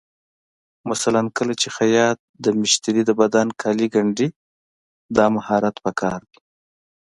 مثلا کله چې خیاط د مشتري د بدن کالي ګنډي، دا مهارت پکار دی.